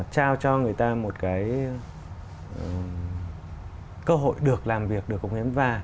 trao cho người ta một cái cơ hội được làm việc được có nguyện và